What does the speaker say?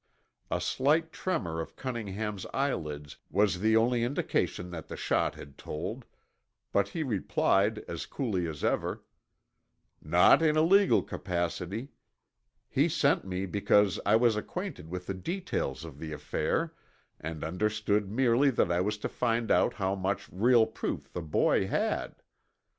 A slight tremor of Cunningham's eyelids was the only indication that the shot had told, but he replied as coolly as ever, "Not in a legal capacity. He sent me because I was acquainted with the details of the affair and understood merely that I was to find out how much real proof the boy had.